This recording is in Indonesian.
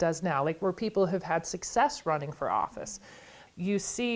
di mana orang orang telah berhasil berjalan untuk berusaha